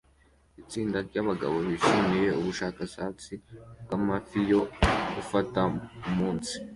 Itsinda ryabagabo bishimiye ubushakashatsi bwamafi yo gufata umunsi